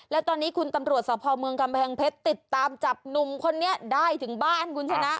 และตอนนี้คุณตำรวจสภเมืองกำแพงเพชรติดตามจับหนุ่มคนนี้ได้ถึงบ้านคุณชนะ